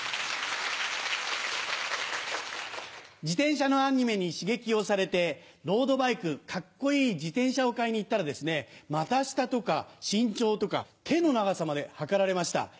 自転車のアニメに刺激をされてロードバイクカッコいい自転車を買いに行ったらですね股下とか身長とか手の長さまで測られました。